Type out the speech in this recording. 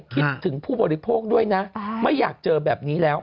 คิดถึงผู้บริโภคด้วยนะไม่อยากเจอแบบนี้แล้ว